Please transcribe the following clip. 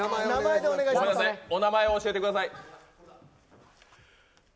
お名前を教えてください。